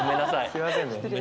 すいませんね。